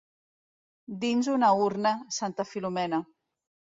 Dins una urna, santa Filomena.